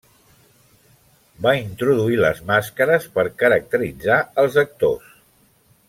Va introduir les màscares per caracteritzar als actors.